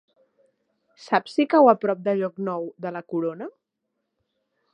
Saps si cau a prop de Llocnou de la Corona?